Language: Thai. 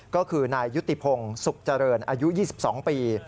ก็คือนายยุติพงศ์สุขเจริญอายุ๒๒ปี